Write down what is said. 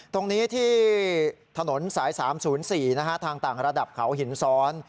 ตรงนี้ที่ถนนสาย๓๐๔ทางต่างระดับเขาหินซ้อน